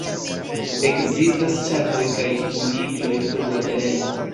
Ekzistas ŝafoj kaj kunikloj sur la tereno.